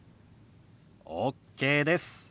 ＯＫです。